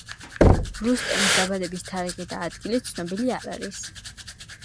რუსტემის დაბადების თარიღი და ადგილი ცნობილი არ არის.